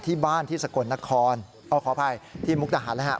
ที่บ้านที่สกลนครขออภัยที่มุกดาหารนะครับ